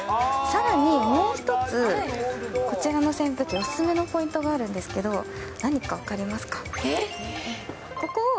さらにもう一つ、こちらの扇風機、お勧めのポイントがあるんですけど、何か分かりますか？